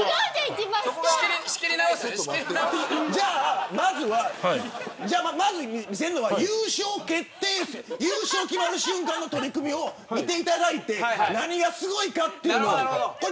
じゃあ、まずは優勝決定戦優勝が決まる瞬間の取組を見ていただいて何がすごいかというのを。